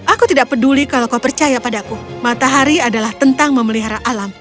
aku tidak peduli kalau kau percaya padaku matahari adalah tentang memelihara alam